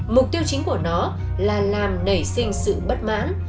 mục tiêu chính của nó là làm nảy sinh sự bất mãn